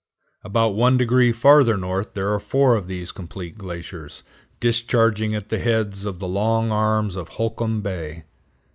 About one degree farther north there are four of these complete glaciers, discharging at the heads of the long arms of Holkam Bay.